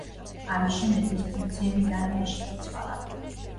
ამის შემდეგ მისი ფუნქციები ძალიან შეიცვალა.